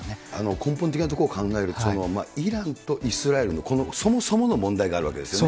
根本的なことを考えると、イランとイスラエルのそもそもの問題があるわけですよね。